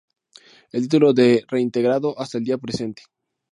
El título de reintegrado hasta el día presente.